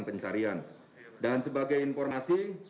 pencarian dan sebagai informasi